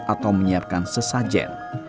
atau menyiapkan sesajen